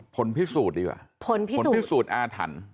ผลพิสูจน์ดีกว่าผลพิสูจน์อาถรรพ์